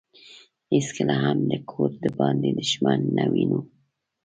هیڅکله هم له کوره دباندې دښمن نه وينو.